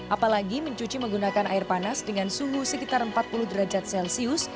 apalagi mencuci menggunakan air panas dengan suhu sekitar empat puluh derajat celcius